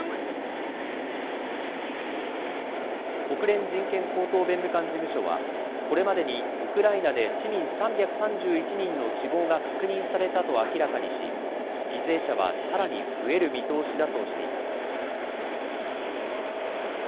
国連人権高等弁務官事務所は、これまでにウクライナで市民３３１人の死亡が確認されたと明らかにし、犠牲者はさらに増える見通しだとしています。